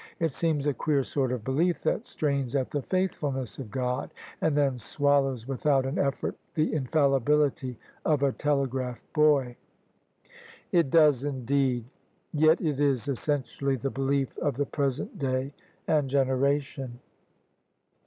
It seems a queer sort of belief that strains at the faithfulness of God, and then swallows without an effort the infallibility of a telegraph boy!" " It does indeed : yet it is essentially the belief of the present day and generation."